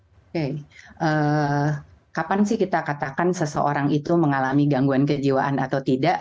oke kapan sih kita katakan seseorang itu mengalami gangguan kejiwaan atau tidak